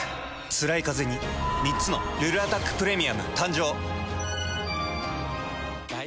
つらいカゼに３つの「ルルアタックプレミアム」誕生。